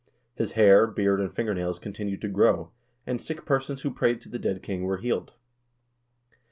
His hair, beard, and fingernails continued to grow, and sick persons who prayed to the dead king were healed.